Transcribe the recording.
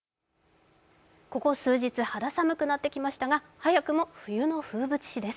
ここ数日肌寒くなってきましたが早くも冬の風物詩です。